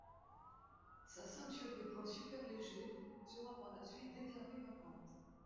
Sa ceinture des poids super-légers sera par la suite déclarée vacante.